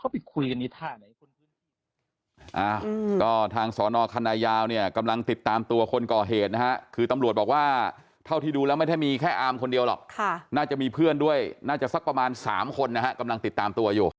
ผมก็ไม่รู้เขาไปคุยกันนี่ท่าไหน